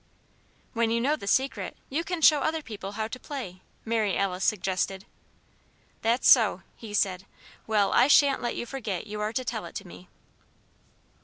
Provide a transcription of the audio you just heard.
"When you know the Secret you can show other people how to play," Mary Alice suggested. "That's so," he said. "Well, I shan't let you forget you are to tell it to me."